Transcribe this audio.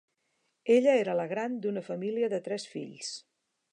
Ella era la gran d'una família de tres fills.